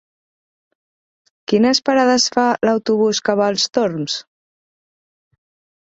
Quines parades fa l'autobús que va als Torms?